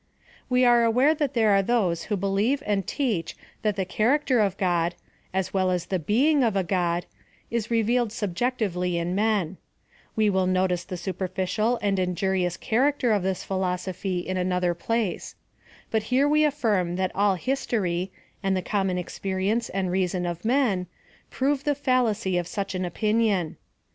We are aware that there are those who believe and teach that the character of God, as well as the being of a God, is revealed subjectively in mcii : we will notice the superficial and injurious character of this philosophy in another place; but here we affirm that all history, and the common experience and reason of men, prove the fallacy of such an opinion.